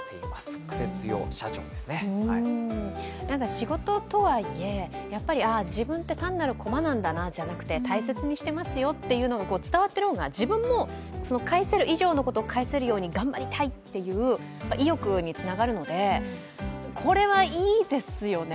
仕事とはいえ、やっぱり自分って単なる駒なんだなじゃなくて大切にしてますよというのが伝わっているのが自分も返せる以上のことを返せるように頑張りたいという意欲につながるのでこれはいいですよね。